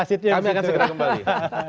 kami akan segera kembali